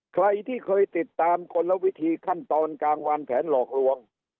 ใครที่เคยติดตามกลวิธีขั้นตอนกลางวานแผนหลอกลวง